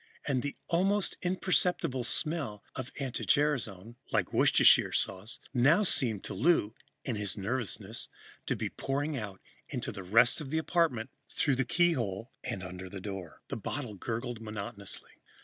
And the almost imperceptible smell of anti gerasone, like Worcestershire sauce, now seemed to Lou, in his nervousness, to be pouring out into the rest of the apartment, through the keyhole and under the door. The bottle gurgled monotonously.